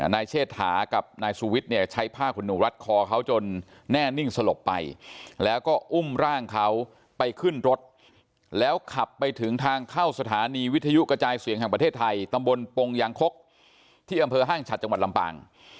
นายเชษฐากับนายสุวิทย์เนี่ยใช้ผ้าขนหนูรัดคอเขาจนแน่นิ่งสลบไปแล้วก็อุ้มร่างเขาไปขึ้นรถแล้วขับไปถึงทางเข้าสถานีวิทยุกระจายเสียงแห่งประเทศไทยตำบลปงยางคกที่อำเภอห้างฉัดจังหวัดลำปาง